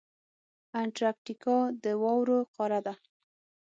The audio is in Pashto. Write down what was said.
انټارکټیکا د واورو قاره ده.